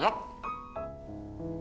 awak p gene